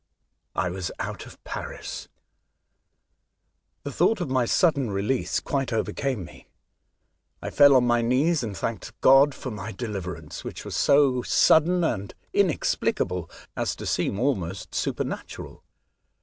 I was out of Paris. The thought of my sudden release quite overcame me. I fell on my knees and thanked God for my deliverance, which was so sud den and inexplicable as to seem almost supernatural.